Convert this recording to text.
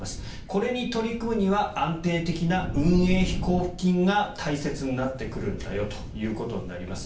これに取り組むには安定的な運営費交付金が大切になってくるんだよということになります。